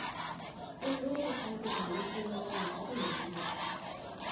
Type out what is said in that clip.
فېسبوک د خلکو د اړیکو یوه عصري وسیله ده